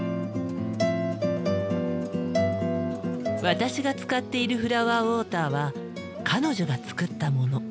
私が使っているフラワーウォーターは彼女が作ったもの。